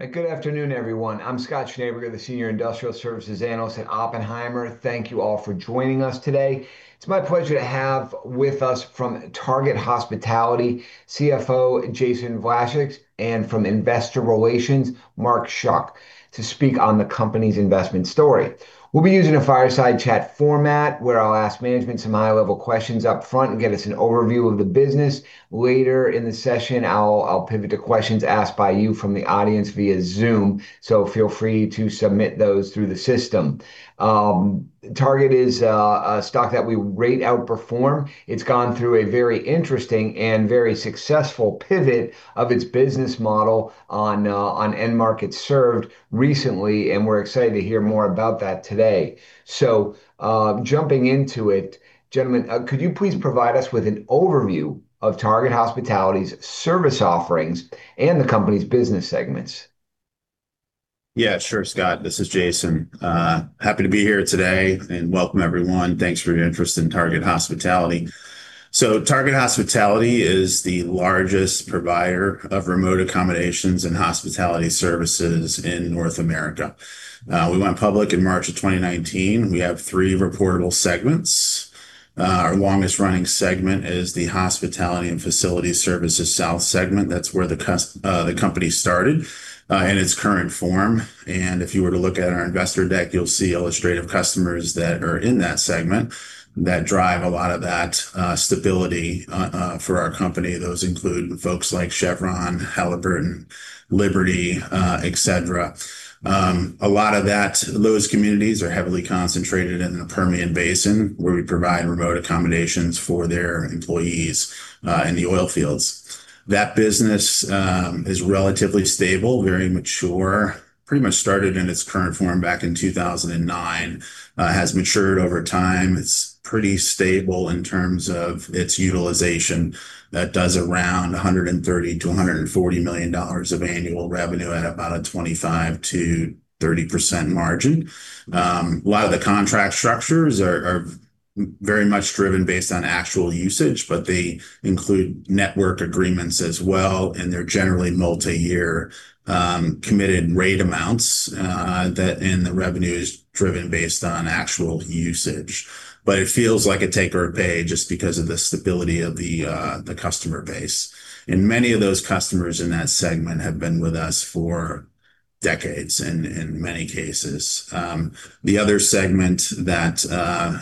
Good afternoon, everyone. I'm Scott Schneeberger, the Senior Industrial Services Analyst at Oppenheimer. Thank you all for joining us today. It's my pleasure to have with us from Target Hospitality, CFO Jason Vlacich, and from Investor Relations, Mark Schuck, to speak on the company's investment story. We'll be using a fireside chat format, where I'll ask management some high-level questions up front and get us an overview of the business. Later in the session, I'll pivot to questions asked by you from the audience via Zoom. Feel free to submit those through the system. Target is a stock that we rate outperform. It's gone through a very interesting and very successful pivot of its business model on end markets served recently, we're excited to hear more about that today. Jumping into it, gentlemen, could you please provide us with an overview of Target Hospitality's service offerings and the company's business segments? Yeah, sure, Scott. This is Jason. Happy to be here today, and welcome everyone. Thanks for your interest in Target Hospitality. Target Hospitality is the largest provider of remote accommodations and hospitality services in North America. We went public in March of 2019. We have three reportable segments. Our longest-running segment is the Hospitality and Facility Services - South segment. That's where the company started in its current form. If you were to look at our investor deck, you'll see illustrative customers that are in that segment that drive a lot of that stability for our company. Those include folks like Chevron, Halliburton, Liberty, et cetera. A lot of those communities are heavily concentrated in the Permian Basin, where we provide remote accommodations for their employees in the oil fields. That business is relatively stable, very mature. Pretty much started in its current form back in 2009. Has matured over time. It's pretty stable in terms of its utilization. That does around $130 million-$140 million of annual revenue at about a 25%-30% margin. A lot of the contract structures are very much driven based on actual usage, but they include network agreements as well, and they're generally multiyear committed rate amounts, and the revenue is driven based on actual usage. It feels like a take or a pay just because of the stability of the customer base. Many of those customers in that segment have been with us for decades in many cases. The other segment that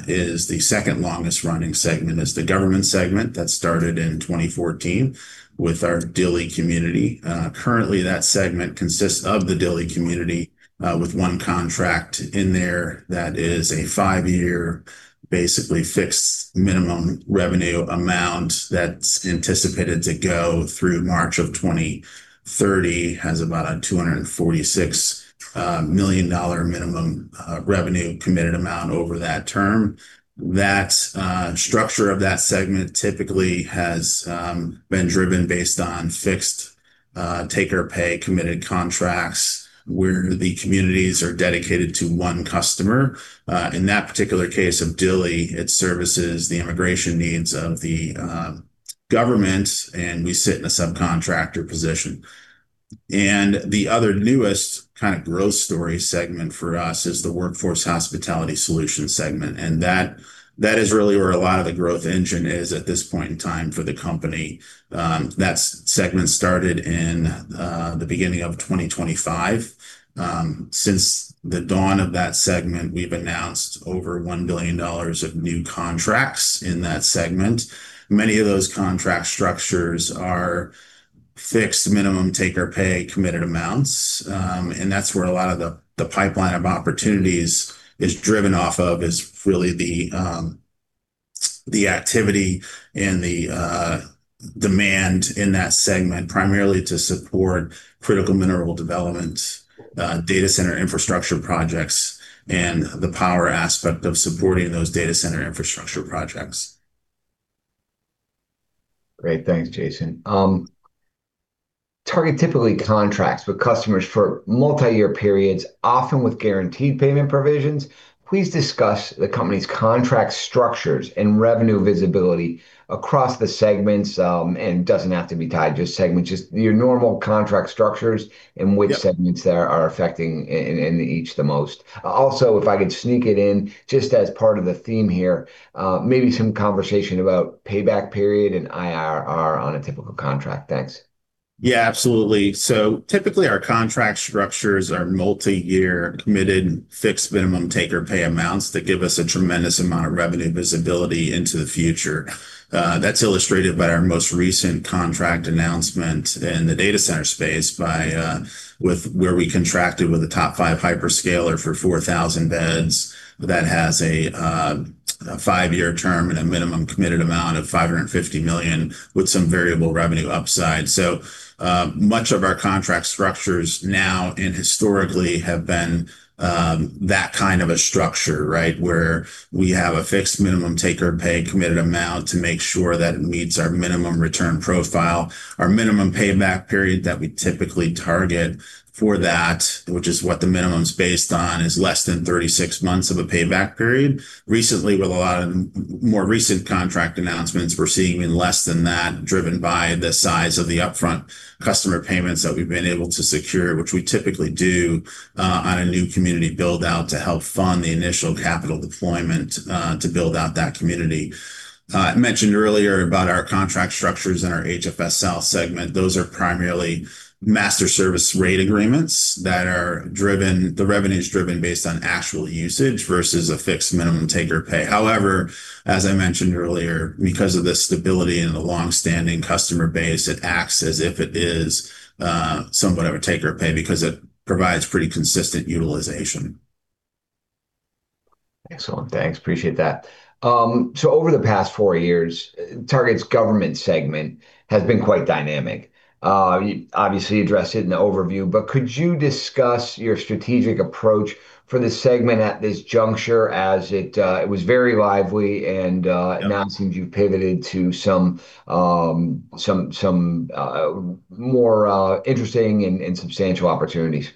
is the second longest running segment is the government segment that started in 2014 with our Dilley community. Currently that segment consists of the Dilley community with one contract in there that is a five-year, basically fixed minimum revenue amount that's anticipated to go through March of 2030. Has about a $246 million minimum revenue committed amount over that term. That structure of that segment typically has been driven based on fixed take or pay committed contracts where the communities are dedicated to one customer. In that particular case of Dilley, it services the immigration needs of the government, and we sit in a subcontractor position. The other newest kind of growth story segment for us is the Workforce Hospitality Solutions segment. That is really where a lot of the growth engine is at this point in time for the company. That segment started in the beginning of 2025. Since the dawn of that segment, we've announced over $1 billion of new contracts in that segment. Many of those contract structures are fixed minimum take or pay committed amounts. That's where a lot of the pipeline of opportunities is driven off of, is really the activity and the demand in that segment, primarily to support critical mineral development, data center infrastructure projects, and the power aspect of supporting those data center infrastructure projects. Great. Thanks, Jason. Target typically contracts with customers for multiyear periods, often with guaranteed payment provisions. Please discuss the company's contract structures and revenue visibility across the segments. It doesn't have to be tied to a segment, just your normal contract structures segments they are affecting in each the most. Also, if I could sneak it in, just as part of the theme here, maybe some conversation about payback period and IRR on a typical contract. Thanks. Yeah, absolutely. Typically, our contract structures are multiyear, committed, fixed minimum take or pay amounts that give us a tremendous amount of revenue visibility into the future. That's illustrated by our most recent contract announcement in the data center space where we contracted with a top five hyperscaler for 4,000 beds that has a five-year term and a minimum committed amount of $550 million with some variable revenue upside. Much of our contract structures now and historically have been that kind of a structure, right? Where we have a fixed minimum take or pay committed amount to make sure that it meets our minimum return profile. Our minimum payback period that we typically target for that, which is what the minimum's based on, is less than 36 months of a payback period. Recently, with a lot of more recent contract announcements, we're seeing less than that, driven by the size of the upfront customer payments that we've been able to secure, which we typically do on a new community build out to help fund the initial capital deployment to build out that community. I mentioned earlier about our contract structures in our HFS - South segment. Those are primarily master service rate agreements that are driven, the revenue's driven based on actual usage versus a fixed minimum take or pay. However, as I mentioned earlier, because of the stability and the long-standing customer base, it acts as if it is somewhat of a take or pay because it provides pretty consistent utilization. Excellent. Thanks. Appreciate that. Over the past four years, Target's government segment has been quite dynamic. You obviously addressed it in the overview, could you discuss your strategic approach for this segment at this juncture as it was very lively and now it seems you've pivoted to some more interesting and substantial opportunities.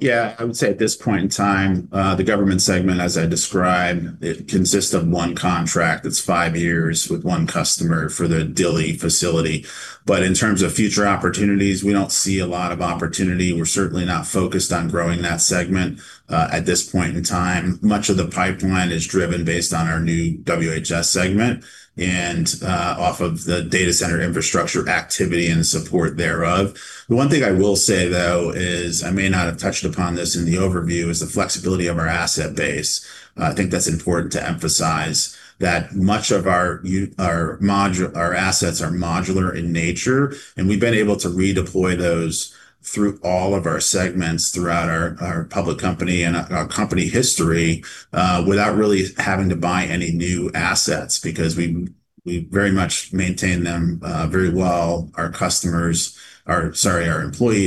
Yeah. I would say at this point in time, the government segment, as I described, it consists of one contract that's five years with one customer for the Dilley facility. In terms of future opportunities, we don't see a lot of opportunity. We're certainly not focused on growing that segment at this point in time. Much of the pipeline is driven based on our new WHS segment and off of the data center infrastructure activity and support thereof. The one thing I will say, though, is, I may not have touched upon this in the overview, is the flexibility of our asset base. I think that's important to emphasize, that much of our modular assets are modular in nature. We've been able to redeploy those through all of our segments throughout our public company and our company history, without really having to buy any new assets, because we very much maintain them very well. Our employees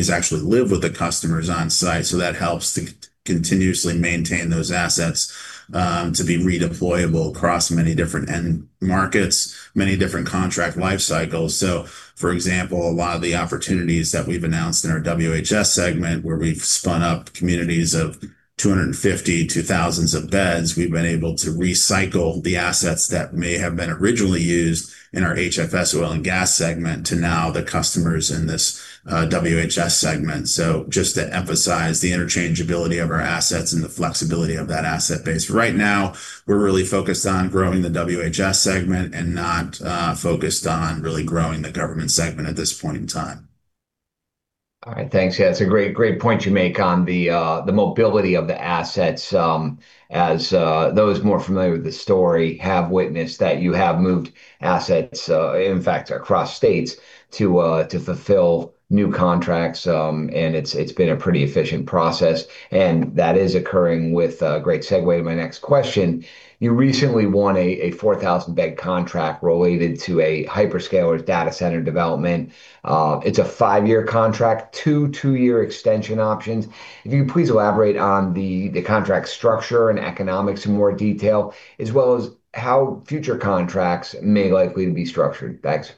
actually live with the customers on site, so that helps to continuously maintain those assets to be redeployable across many different end markets, many different contract life cycles. For example, a lot of the opportunities that we've announced in our WHS segment, where we've spun up communities of 250 to thousands of beds, we've been able to recycle the assets that may have been originally used in our HFS oil and gas segment to now the customers in this WHS segment. Just to emphasize the interchangeability of our assets and the flexibility of that asset base. Right now, we're really focused on growing the WHS segment and not focused on really growing the government segment at this point in time. All right. Thanks. It's a great point you make on the mobility of the assets. As those more familiar with the story have witnessed that you have moved assets, in fact, across states to fulfill new contracts. It's been a pretty efficient process. That is occurring with a great segue to my next question. You recently won a 4,000 bed contract related to a hyperscaler data center development. It's a five-year contract, two two-year extension options. If you please elaborate on the contract structure and economics in more detail, as well as how future contracts may likely to be structured. Thanks.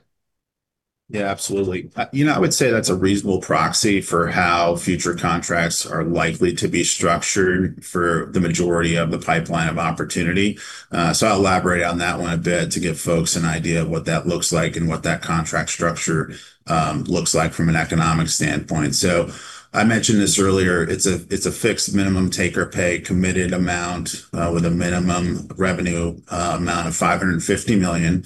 Yeah, absolutely. you know, I would say that's a reasonable proxy for how future contracts are likely to be structured for the majority of the pipeline of opportunity. I'll elaborate on that one a bit to give folks an idea of what that looks like and what that contract structure looks like from an economic standpoint. I mentioned this earlier, it's a fixed minimum take or pay committed amount with a minimum revenue amount of $550 million.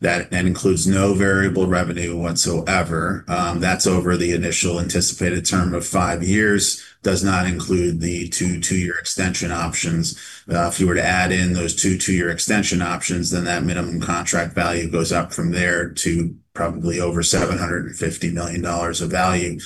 That includes no variable revenue whatsoever. That's over the initial anticipated term of five years, does not include the two two-year extension options. If you were to add in those two two-year extension options, then that minimum contract value goes up from there to probably over $750 million of value.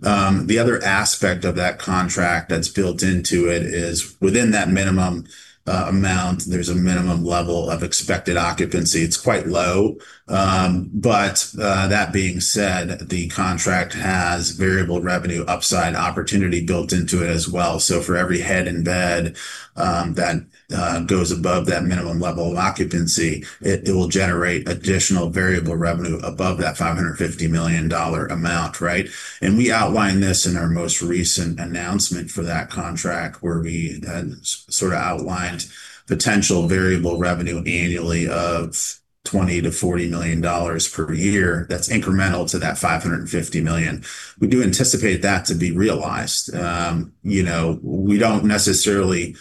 The other aspect of that contract that's built into it is within that minimum amount, there's a minimum level of expected occupancy. It's quite low. That being said, the contract has variable revenue upside opportunity built into it as well. For every head in bed that goes above that minimum level of occupancy, it will generate additional variable revenue above that $550 million amount, right? We outlined this in our most recent announcement for that contract, where we sort of outlined potential variable revenue annually of $20 million-$40 million per year. That's incremental to that $550 million. We do anticipate that to be realized. You know, we don't necessarily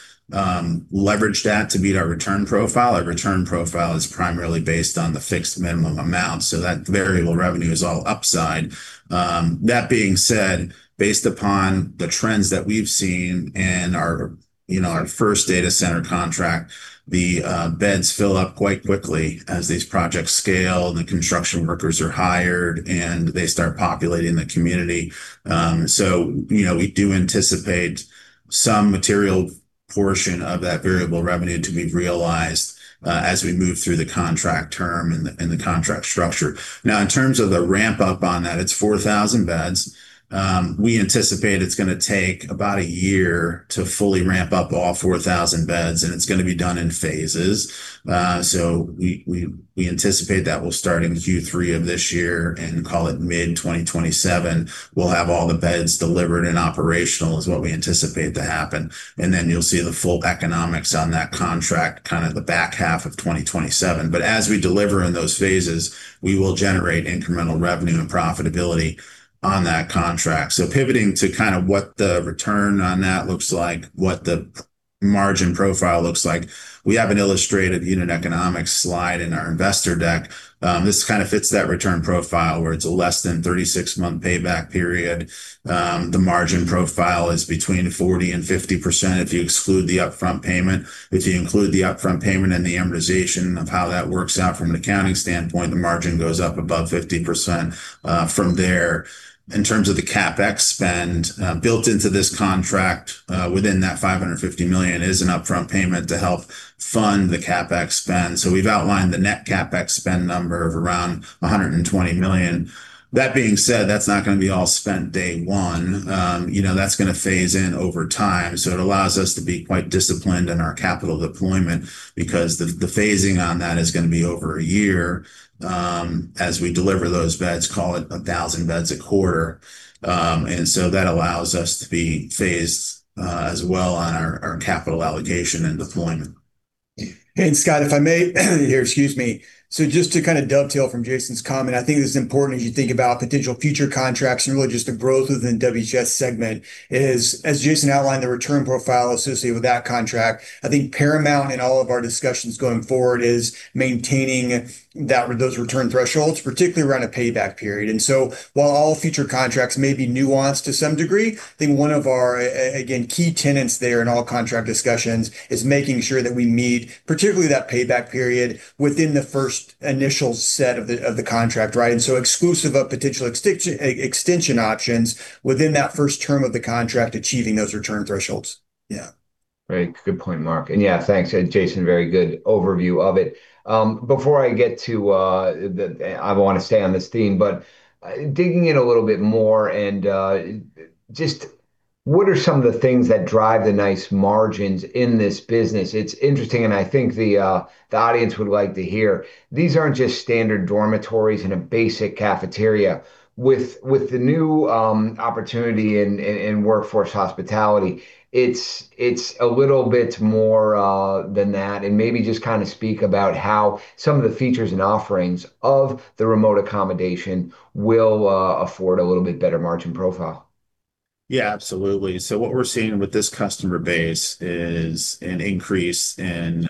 leverage that to meet our return profile. Our return profile is primarily based on the fixed minimum amount, so that variable revenue is all upside. That being said, based upon the trends that we've seen in our, you know, our first data center contract, the beds fill up quite quickly as these projects scale, the construction workers are hired, and they start populating the community. You know, we do anticipate some material portion of that variable revenue to be realized as we move through the contract term and the contract structure. Now, in terms of the ramp-up on that, it's 4,000 beds. We anticipate it's gonna take about a year to fully ramp up all 4,000 beds, and it's gonna be done in phases. We anticipate that we'll start in Q3 of this year and call it mid-2027, we'll have all the beds delivered and operational is what we anticipate to happen. You'll see the full economics on that contract kind of the back half of 2027. As we deliver in those phases, we will generate incremental revenue and profitability on that contract. Pivoting to kind of what the return on that looks like, what the margin profile looks like, we have an illustrated unit economics slide in our investor deck. This kind of fits that return profile where it's a less than 36-month payback period. The margin profile is between 40% and 50% if you exclude the upfront payment. If you include the upfront payment and the amortization of how that works out from an accounting standpoint, the margin goes up above 50% from there. In terms of the CapEx spend built into this contract, within that $550 million is an upfront payment to help fund the CapEx spend. We've outlined the net CapEx spend number of around $120 million. That being said, that's not gonna be all spent day one. You know, that's gonna phase in over time, so it allows us to be quite disciplined in our capital deployment because the phasing on that is gonna be over a year as we deliver those beds, call it 1,000 beds a quarter. That allows us to be phased as well on our capital allocation and deployment. Scott, if I may here. Excuse me. Just to kind of dovetail from Jason Vlacich's comment, I think it's important as you think about potential future contracts and really just the growth within WHS segment is, as Jason Vlacich outlined, the return profile associated with that contract. I think paramount in all of our discussions going forward is maintaining those return thresholds, particularly around a payback period. While all future contracts may be nuanced to some degree, I think one of our again, key tenets there in all contract discussions is making sure that we meet particularly that payback period within the first initial set of the, of the contract, right. Exclusive of potential extension options within that first term of the contract achieving those return thresholds. Yeah. Right. Good point, Mark. Yeah, thanks, Jason, very good overview of it. Before I get to, the I don't wanna stay on this theme, digging in a little bit more and, just what are some of the things that drive the nice margins in this business? It's interesting, I think the audience would like to hear. These aren't just standard dormitories and a basic cafeteria. With the new opportunity in Workforce Hospitality, it's a little bit more than that. Maybe just kind of speak about how some of the features and offerings of the remote accommodation will afford a little bit better margin profile. Yeah, absolutely. What we're seeing with this customer base is an increase in,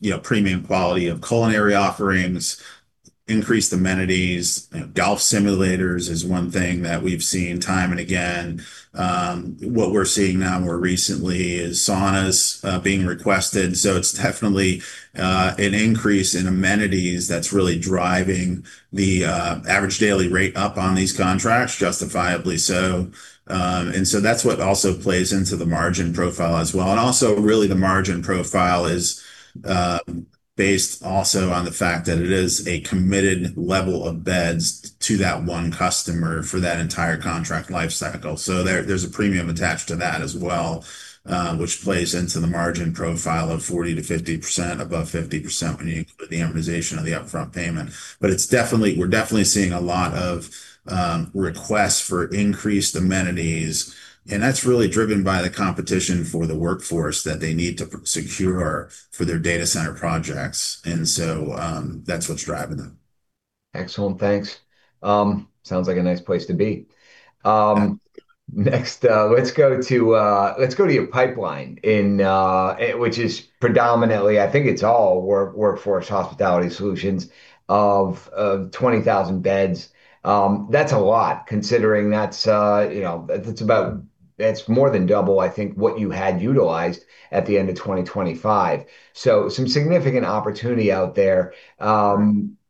you know, premium quality of culinary offerings, increased amenities. You know, golf simulators is one thing that we've seen time and again. What we're seeing now more recently is saunas being requested. It's definitely an increase in amenities that's really driving the average daily rate up on these contracts, justifiably so. That's what also plays into the margin profile as well. Also, really the margin profile is based also on the fact that it is a committed level of beds to that one customer for that entire contract life cycle. There's a premium attached to that as well, which plays into the margin profile of 40%-50%, above 50% when you include the amortization of the upfront payment. We're definitely seeing a lot of requests for increased amenities, and that's really driven by the competition for the workforce that they need to secure for their data center projects. That's what's driving that. Excellent. Thanks. Sounds like a nice place to be. Next, let's go to your pipeline in, it which is predominantly, I think it's all Workforce Hospitality Solutions of 20,000 beds. That's a lot considering that's, you know, it's more than double, I think, what you had utilized at the end of 2025. Some significant opportunity out there.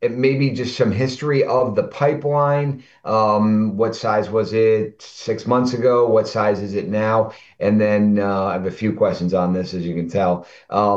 Maybe just some history of the pipeline. What size was it six months ago? What size is it now? I have a few questions on this, as you can tell. How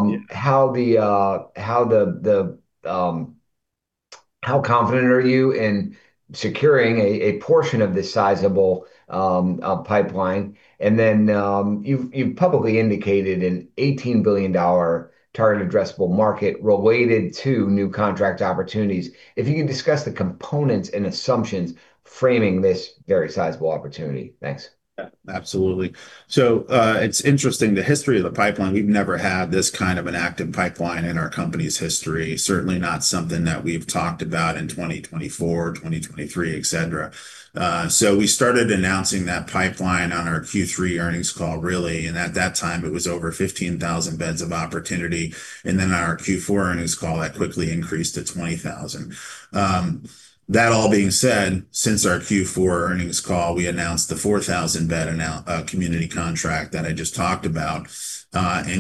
confident are you in securing a portion of this sizable pipeline? You've publicly indicated an $18 billion target addressable market related to new contract opportunities. If you could discuss the components and assumptions framing this very sizable opportunity? Thanks. Yeah. Absolutely. It's interesting, the history of the pipeline, we've never had this kind of an active pipeline in our company's history. Certainly not something that we've talked about in 2024, 2023, et cetera. We started announcing that pipeline on our Q3 earnings call, really, and at that time, it was over 15,000 beds of opportunity. On our Q4 earnings call, that quickly increased to 20,000. That all being said, since our Q4 earnings call, we announced the 4,000-bed community contract that I just talked about.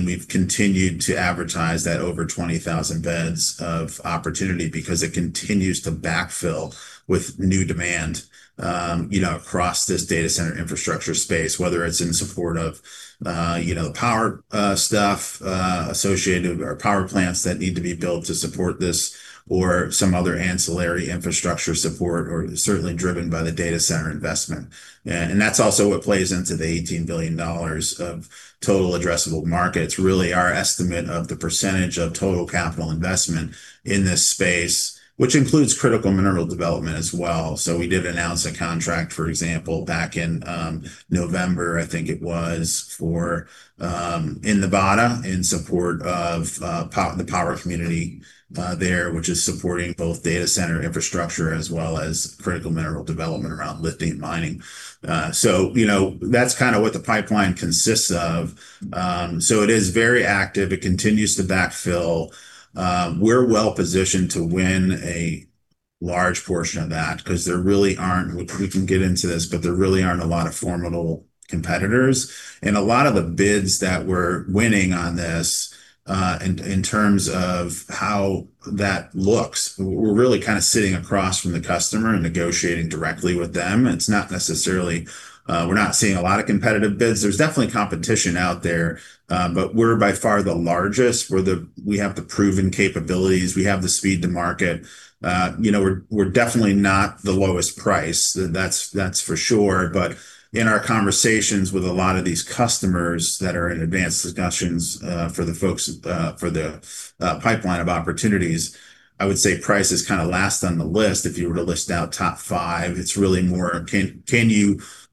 We've continued to advertise that over 20,000 beds of opportunity because it continues to backfill with new demand, you know, across this data center infrastructure space, whether it's in support of, you know, power associated or power plants that need to be built to support this or some other ancillary infrastructure support or certainly driven by the data center investment. That's also what plays into the $18 billion of total addressable market. It's really our estimate of the percentage of total capital investment in this space, which includes critical mineral development as well. We did announce a contract, for example, back in November, I think it was, for in Nevada in support of the power community there, which is supporting both data center infrastructure as well as critical mineral development around lifting and mining. You know, that's kind of what the pipeline consists of. It is very active. It continues to backfill. We're well-positioned to win a large portion of that, because there really aren't We can get into this, but there really aren't a lot of formidable competitors. A lot of the bids that we're winning on this, in terms of how that looks, we're really kind of sitting across from the customer and negotiating directly with them. It's not necessarily We're not seeing a lot of competitive bids. There's definitely competition out there, but we're by far the largest. We have the proven capabilities. We have the speed to market. You know, we're definitely not the lowest price, that's for sure. In our conversations with a lot of these customers that are in advanced discussions, for the folks, for the pipeline of opportunities, I would say price is kind of last on the list if you were to list out top five. It's really more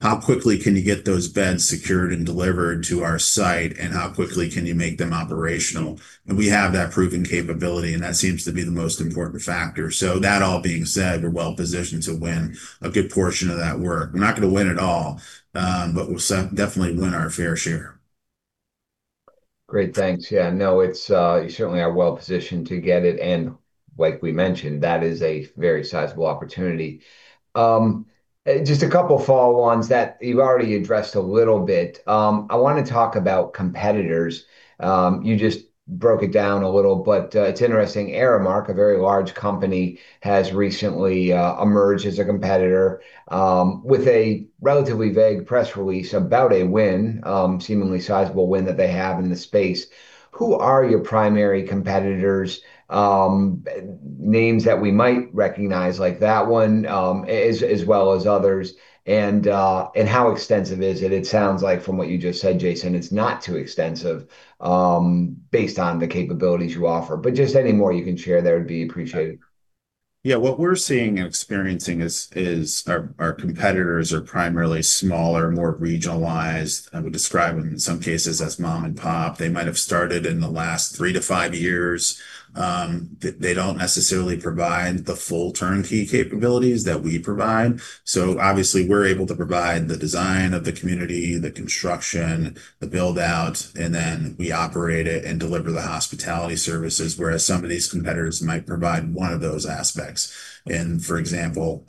How quickly can you get those beds secured and delivered to our site, and how quickly can you make them operational? We have that proven capability, and that seems to be the most important factor. That all being said, we're not gonna win it all, but we'll definitely win our fair share. Great. Thanks. Yeah, no, it's. You certainly are well positioned to get it, and like we mentioned, that is a very sizable opportunity. Just a couple follow-ons that you've already addressed a little bit. I want to talk about competitors. You just broke it down a little, it's interesting. Aramark, a very large company, has recently emerged as a competitor with a relatively vague press release about a win, seemingly sizable win that they have in the space. Who are your primary competitors? Names that we might recognize like that one, as well as others. How extensive is it? It sounds like from what you just said, Jason Vlacich, it's not too extensive based on the capabilities you offer. Just any more you can share there would be appreciated. Yeah. What we're seeing and experiencing is our competitors are primarily smaller, more regionalized. I would describe them in some cases as mom and pop. They might have started in the last three to five years. They don't necessarily provide the full turnkey capabilities that we provide. Obviously, we're able to provide the design of the community, the construction, the build-out, and then we operate it and deliver the hospitality services, whereas some of these competitors might provide one of those aspects. For example,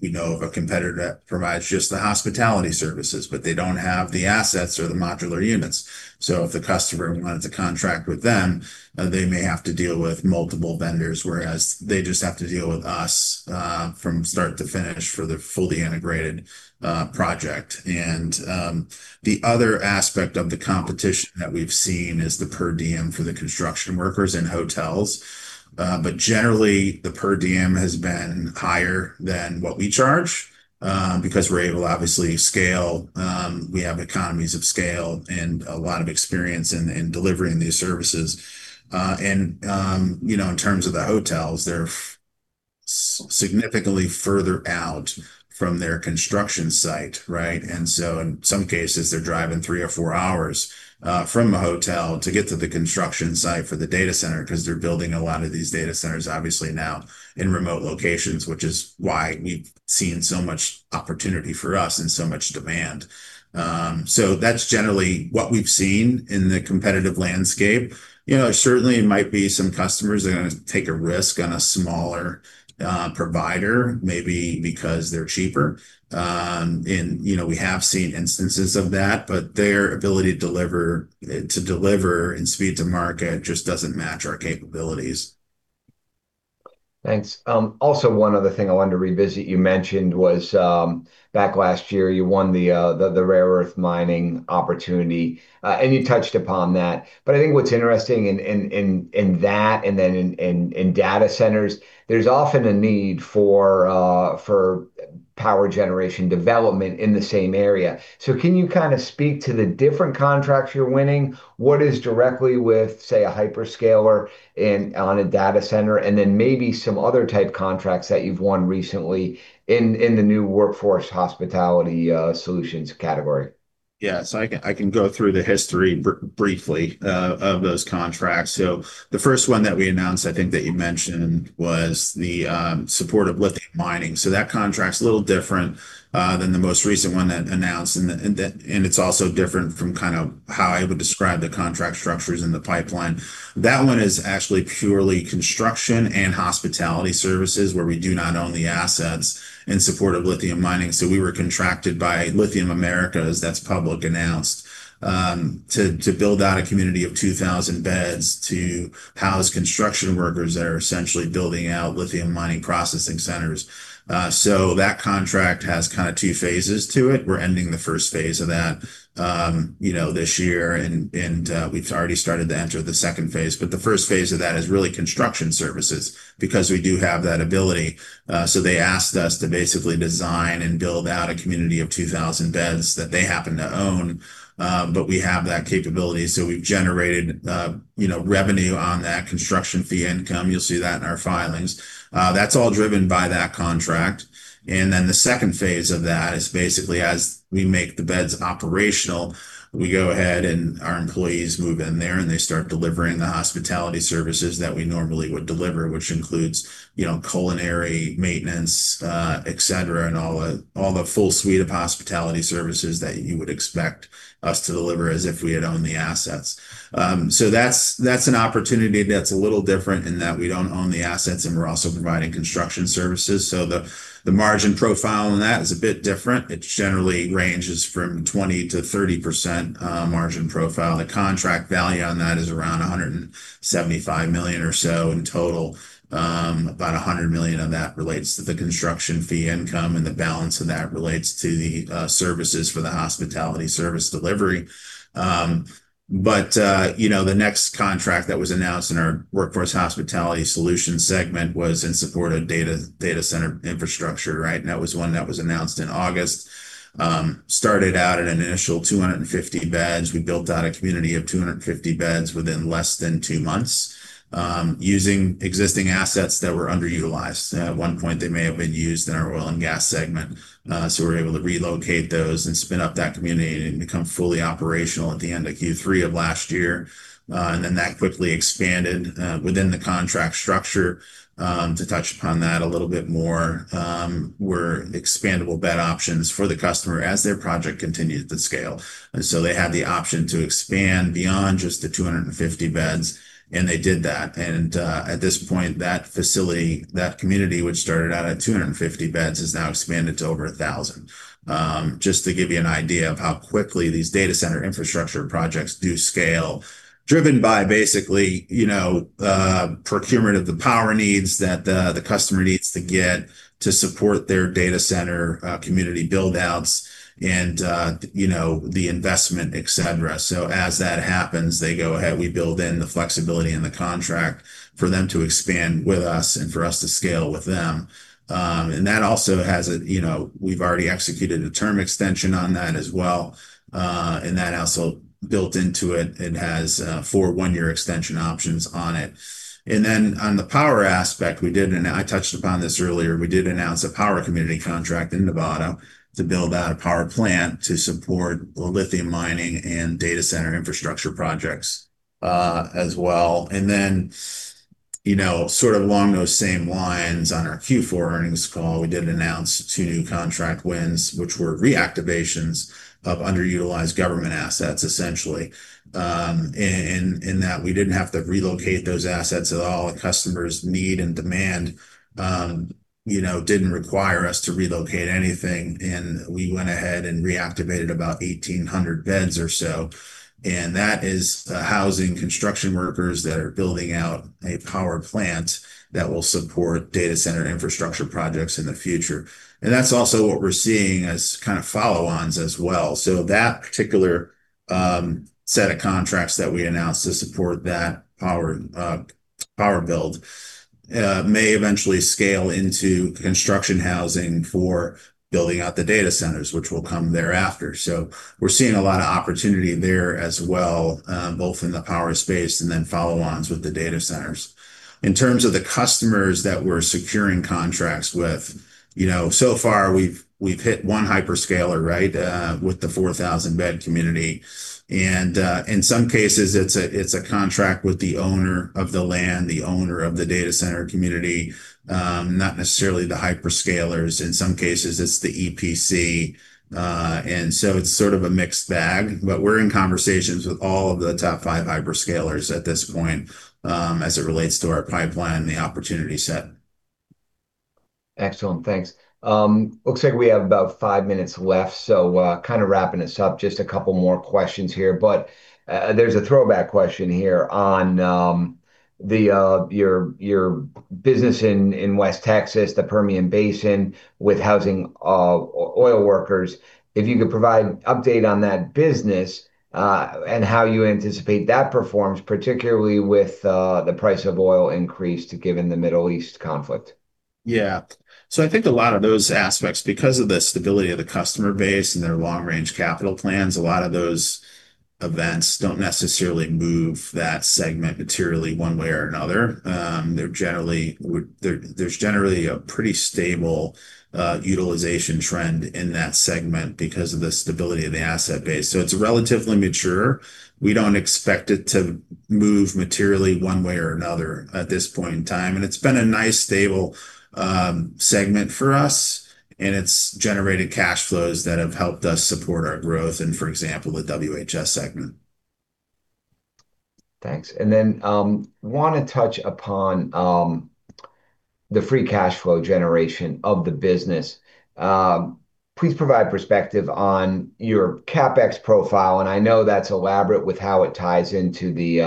we know of a competitor that provides just the hospitality services, but they don't have the assets or the modular units. If the customer wanted to contract with them, they may have to deal with multiple vendors, whereas they just have to deal with us from start to finish for the fully integrated project. The other aspect of the competition that we've seen is the per diem for the construction workers in hotels. Generally, the per diem has been higher than what we charge because we're able, obviously, to scale. We have economies of scale and a lot of experience in delivering these services. You know, in terms of the hotels, they're significantly further out from their construction site, right? In some cases, they're driving three to four hours from a hotel to get to the construction site for the data center because they're building a lot of these data centers obviously now in remote locations, which is why we've seen so much opportunity for us and so much demand. That's generally what we've seen in the competitive landscape. You know, there certainly might be some customers that are gonna take a risk on a smaller provider maybe because they're cheaper. You know, we have seen instances of that, but their ability to deliver and speed to market just doesn't match our capabilities. Thanks. Also one other thing I wanted to revisit you mentioned was, back last year you won the rare earth mining opportunity, and you touched upon that. I think what's interesting in that and then in data centers, there's often a need for power generation development in the same area. Can you kind of speak to the different contracts you're winning? What is directly with, say, a hyperscaler in on a data center, and then maybe some other type contracts that you've won recently in the new Workforce Hospitality Solutions category? Yeah. I can go through the history briefly of those contracts. The first one that we announced, I think that you mentioned, was the support of lithium mining. That contract's a little different than the most recent one that announced and it's also different from kind of how I would describe the contract structures in the pipeline. That one is actually purely construction and hospitality services where we do not own the assets in support of lithium mining. We were contracted by Lithium Americas, that's public announced, to build out a community of 2,000 beds to house construction workers that are essentially building out lithium mining processing centers. That contract has kind of two phases to it. We're ending the first phase of that, you know, this year and, we've already started to enter the second phase. The first phase of that is really construction services because we do have that ability. They asked us to basically design and build out a community of 2,000 beds that they happen to own, we have that capability. We've generated, you know, revenue on that construction fee income. You'll see that in our filings. That's all driven by that contract. The second phase of that is basically as we make the beds operational, we go ahead and our employees move in there, and they start delivering the hospitality services that we normally would deliver, which includes, you know, culinary, maintenance, et cetera, and all the full suite of hospitality services that you would expect us to deliver as if we had owned the assets. That's an opportunity that's a little different in that we don't own the assets, and we're also providing construction services. The margin profile on that is a bit different. It generally ranges from 20%-30% margin profile. The contract value on that is around $175 million or so in total. About $100 million of that relates to the construction fee income, the balance of that relates to the services for the hospitality service delivery. You know, the next contract that was announced in our Workforce Hospitality Solutions segment was in support of data center infrastructure, right? That was one that was announced in August. Started out at an initial 250 beds. We built out a community of 250 beds within less than two months, using existing assets that were underutilized. At one point, they may have been used in our oil and gas segment. We were able to relocate those and spin up that community and become fully operational at the end of Q3 of last year. That quickly expanded within the contract structure. To touch upon that a little bit more, were expandable bed options for the customer as their project continued to scale. They had the option to expand beyond just the 250 beds, and they did that. At this point, that facility, that community, which started out at 250 beds, has now expanded to over 1,000. Just to give you an idea of how quickly these data center infrastructure projects do scale, driven by basically, you know, procurement of the power needs that the customer needs to get to support their data center community build-outs and, you know, the investment, et cetera. As that happens, they go ahead. We build in the flexibility in the contract for them to expand with us and for us to scale with them. That also has a, you know, we've already executed a term extension on that as well, and that also built into it. It has four one-year extension options on it. On the power aspect, and I touched upon this earlier, we did announce a power community contract in Nevada to build out a power plant to support lithium mining and data center infrastructure projects as well. You know, sort of along those same lines, on our Q4 earnings call, we did announce two new contract wins, which were reactivations of underutilized government assets, essentially. That we didn't have to relocate those assets at all. The customer's need and demand, you know, didn't require us to relocate anything. We went ahead and reactivated about 1,800 beds or so, and that is housing construction workers that are building out a power plant that will support data center infrastructure projects in the future. That's also what we're seeing as kind of follow-ons as well. That particular set of contracts that we announced to support that power power build may eventually scale into construction housing for building out the data centers, which will come thereafter. We're seeing a lot of opportunity there as well, both in the power space and then follow-ons with the data centers. In terms of the customers that we're securing contracts with, you know, so far we've hit one hyperscaler, right? With the 4,000 bed community. In some cases it's a contract with the owner of the land, the owner of the data center community, not necessarily the hyperscalers. In some cases it's the EPC, it's sort of a mixed bag. We're in conversations with all of the top five hyperscalers at this point, as it relates to our pipeline and the opportunity set. Excellent. Thanks. Looks like we have about five minutes left, so, kinda wrapping this up. Just a couple more questions here. There's a throwback question here on the your business in West Texas, the Permian Basin with housing oil workers. If you could provide update on that business and how you anticipate that performs, particularly with the price of oil increase given the Middle East conflict. Yeah. I think a lot of those aspects, because of the stability of the customer base and their long-range capital plans, a lot of those events don't necessarily move that segment materially one way or another. They're generally there's generally a pretty stable utilization trend in that segment because of the stability of the asset base. It's relatively mature. We don't expect it to move materially one way or another at this point in time. It's been a nice, stable segment for us, and it's generated cash flows that have helped us support our growth in, for example, the WHS segment. Thanks. Wanna touch upon the free cash flow generation of the business. Please provide perspective on your CapEx profile, and I know that's elaborate with how it ties into the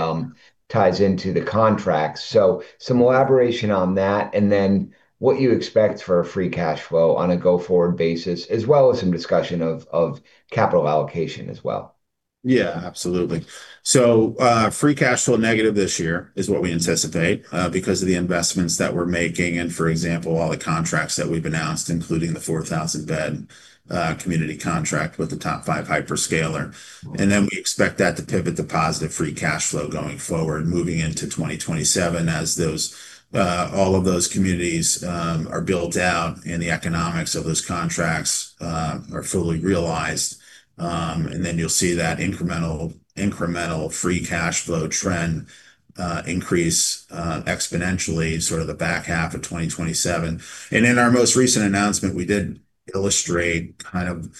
contracts. Some elaboration on that, what you expect for a free cash flow on a go-forward basis, as well as some discussion of capital allocation as well. Yeah, absolutely. Free cash flow negative this year is what we anticipate, because of the investments that we're making and, for example, all the contracts that we've announced, including the 4,000 bed community contract with the top five hyperscaler. We expect that to pivot to positive free cash flow going forward, moving into 2027 as all of those communities are built out and the economics of those contracts are fully realized. You'll see that incremental free cash flow trend increase exponentially sort of the back half of 2027. In our most recent announcement, we did illustrate kind of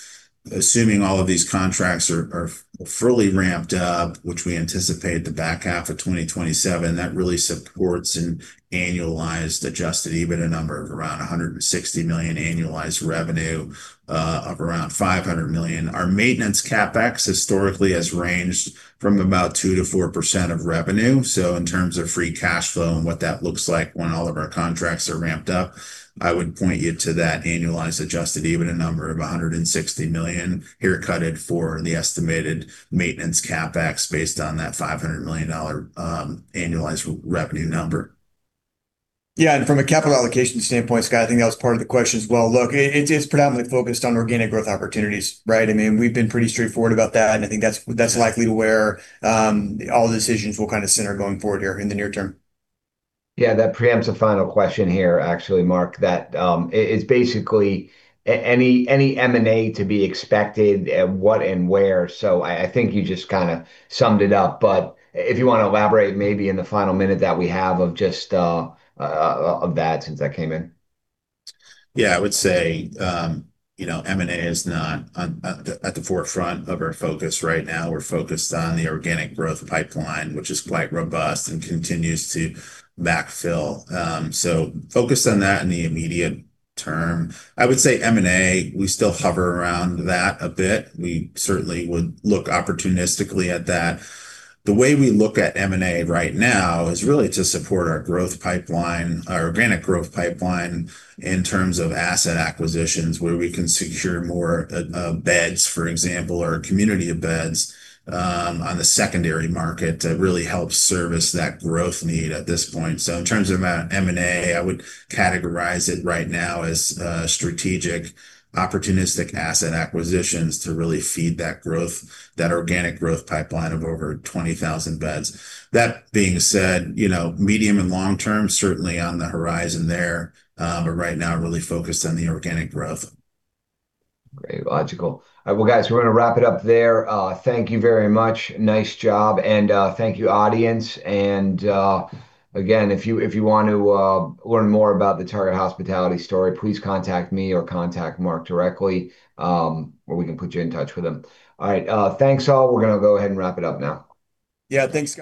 assuming all of these contracts are fully ramped up, which we anticipate the back half of 2027, that really supports an annualized adjusted EBITDA number of around $160 million annualized revenue of around $500 million. Our maintenance CapEx historically has ranged from about two to four percent of revenue. In terms of free cash flow and what that looks like when all of our contracts are ramped up, I would point you to that annualized adjusted EBITDA number of $160 million, haircutted for the estimated maintenance CapEx based on that $500 million annualized revenue number. Yeah, from a capital allocation standpoint, Scott, I think that was part of the question as well. Look, it is predominantly focused on organic growth opportunities, right? I mean, we've been pretty straightforward about that, and I think that's likely where all decisions will kind of center going forward here in the near term. Yeah, that preempts a final question here, actually, Mark, that it's basically any M&A to be expected, what and where? I think you just kind of summed it up, but if you want to elaborate maybe in the final minute that we have of just of that since that came in. Yeah, I would say, you know, M&A is not at the forefront of our focus right now. We're focused on the organic growth pipeline, which is quite robust and continues to backfill. Focused on that in the immediate term. I would say M&A, we still hover around that a bit. We certainly would look opportunistically at that. The way we look at M&A right now is really to support our growth pipeline, our organic growth pipeline in terms of asset acquisitions, where we can secure more beds, for example, or community of beds on the secondary market to really help service that growth need at this point. In terms of amount of M&A, I would categorize it right now as strategic, opportunistic asset acquisitions to really feed that growth, that organic growth pipeline of over 20,000 beds. That being said, you know, medium and long term, certainly on the horizon there. Right now really focused on the organic growth. Great. Logical. Well, guys, we're gonna wrap it up there. Thank you very much. Nice job. Thank you, audience. Again, if you want to learn more about the Target Hospitality story, please contact me or contact Mark directly, or we can put you in touch with him. All right. Thanks, all. We're gonna go ahead and wrap it up now. Yeah. Thanks, Scott.